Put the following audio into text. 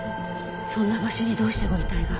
そんな場所にどうしてご遺体が。